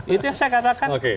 itu yang saya katakan